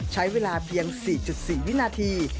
ใช้เวลาเพียง๔๔วินาที